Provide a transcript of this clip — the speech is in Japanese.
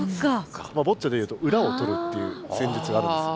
ボッチャでいうとうらを取るっていう戦術があるんですよ。